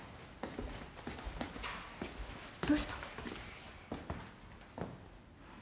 どうした？